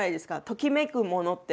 ときめくものって。